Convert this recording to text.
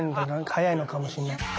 早いのかもしれない。